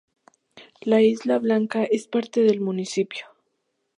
La Isla Blanca es parte del municipio.